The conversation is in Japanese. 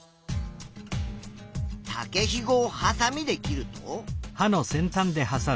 竹ひごをはさみで切ると。